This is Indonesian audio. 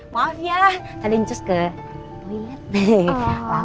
maaf ya tadi ncus ke toilet bag